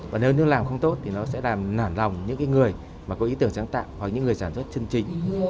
và nếu nước làm không tốt thì nó sẽ làm nản lòng những người mà có ý tưởng sáng tạo hoặc những người sản xuất chương trình